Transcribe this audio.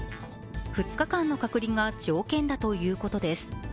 ２日間の隔離が条件だということです。